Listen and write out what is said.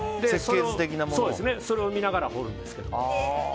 それを見ながら彫るんですけど。